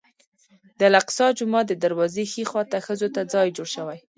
د الاقصی جومات د دروازې ښي خوا ته ښځو ته ځای جوړ شوی.